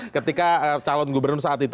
ketika calon gubernur saat itu